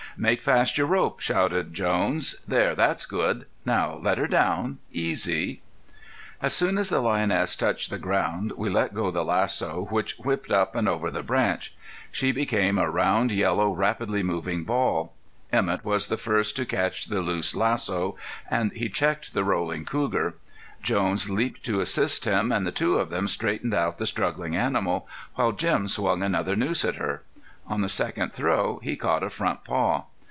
"Make fast your rope," shouted Jones. "There, that's good! Now let her down easy." As soon as the lioness touched ground we let go the lasso, which whipped up and over the branch. She became a round, yellow, rapidly moving ball. Emett was the first to catch the loose lasso, and he checked the rolling cougar. Jones leaped to assist him and the two of them straightened out the struggling animal, while Jim swung another noose at her. On the second throw he caught a front paw.